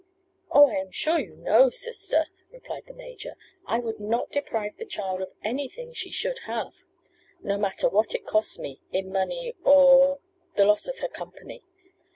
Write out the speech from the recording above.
"Oh, I am sure you know, sister," replied the major, "I would not deprive the child of anything she should have, no matter what it cost me, in money or the loss of her company.